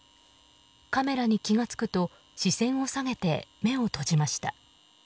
カメラに気が付くと視線を下げて目を閉じました。